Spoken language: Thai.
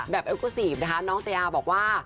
แบบแอลกูซีบนะคะน้องเจยาบอกว่า